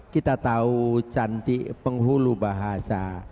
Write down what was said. kita tahu cantik penghulu bahasa